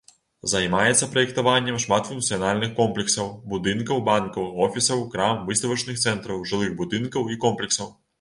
Займаецца праектаваннем шматфункцыянальных комплексаў, будынкаў банкаў, офісаў, крам, выставачных цэнтраў, жылых будынкаў і комплексаў.